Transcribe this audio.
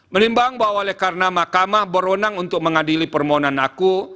menimbang bahwa oleh karena mahkamah berwenang untuk mengadili permohonan aku